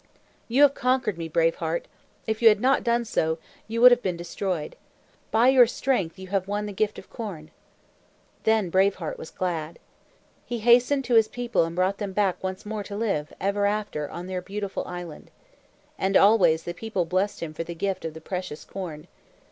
"You have conquered me, Brave Heart. If you had not done so, you would have been destroyed. By your strength, you have won the Gift of Corn." Then Brave Heart was glad. He hastened to his people and brought them back once more to live, ever after, on their beautiful island. And always the people blessed him for the gift of the precious corn.